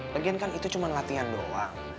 bagian kan itu cuma latihan doang